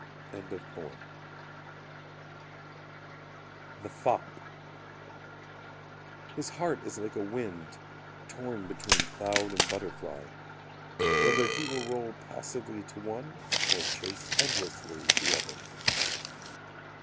The Fop His heart is like a wind Torn between cloud and butterfly; Whether he will roll passively to one, Or chase endlessly the other.